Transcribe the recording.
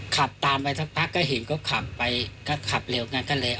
ขับตามไปสักพักก็เห็นเขาขับไปก็ขับเร็วกันก็เลย